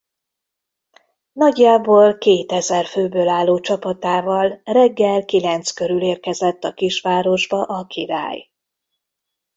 Nagyjából kétezer főből álló csapatával reggel kilenc körül érkezett a kisvárosba a király.